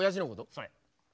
それ。